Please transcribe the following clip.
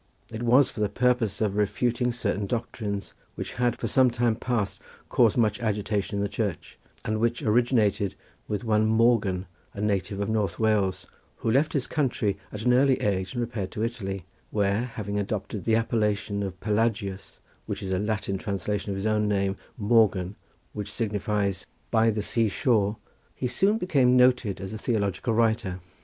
It was for the purpose of refuting certain doctrines which had for some time past caused much agitation in the Church, and which originated with one Morgan, a native of North Wales, who left his country at an early age and repaired to Italy, where having adopted the appellation of Pelagius, which is a Latin translation of his own name Morgan, which signifies "by the seashore," he soon became noted as a theological writer.